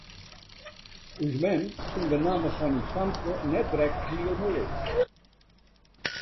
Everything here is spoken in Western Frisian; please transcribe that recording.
Us mem fûn de namme fan ús famke net drekst hiel moai.